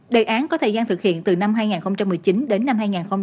đề án có thời gian thực hiện từ năm hai nghìn một mươi chín đến năm hai nghìn hai mươi